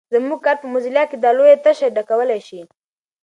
زموږ کار په موزیلا کې دا لویه تشه ډکولای شي.